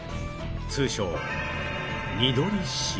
通称